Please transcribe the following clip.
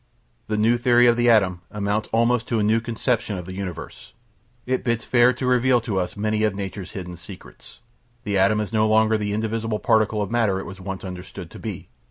The new theory of the atom amounts almost to a new conception of the universe. It bids fair to reveal to us many of nature's hidden secrets. The atom is no longer the indivisible particle of matter it was once understood to be.